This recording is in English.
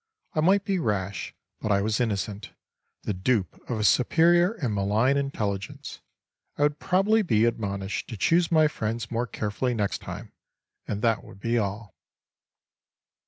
I might be rash, but I was innocent; the dupe of a superior and malign intelligence. I would probably be admonished to choose my friends more carefully next time and that would be all….